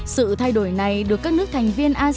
sự thay đổi này được các nước asean và các nước việt nam tìm hiểu